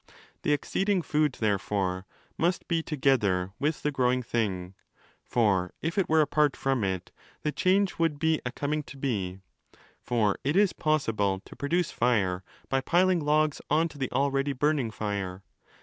The acceding food, therefore, must be ¢ogether with the growing thing:* for if it were apart from it, the change would be a coming to be® For 15 it is possible to produce fire by piling logs on to the already burning fire.